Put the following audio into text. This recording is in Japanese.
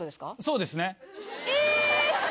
そうですね。え！